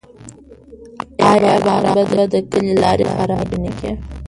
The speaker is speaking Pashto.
آیا باران به د کلي لارې خرابې نه کړي؟